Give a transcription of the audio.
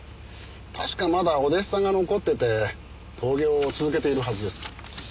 確かまだお弟子さんが残ってて陶芸を続けているはずです。